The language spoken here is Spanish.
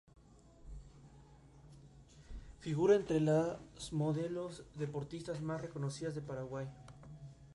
Figura entre las modelos y deportistas más reconocidas del Paraguay.